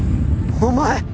お前！